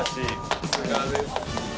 さすがです。